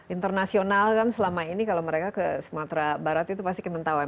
internasional kan selama ini kalau mereka ke sumatera barat itu pasti kenal tau ya